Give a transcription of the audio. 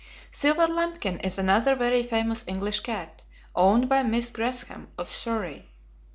Silver Lambkin is another very famous English cat, owned by Miss Gresham, of Surrey.